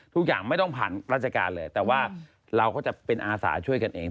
ทุกอย่างไม่ต้องผ่านราชการเลยแต่ว่าเราก็จะเป็นอาสาช่วยกันเอง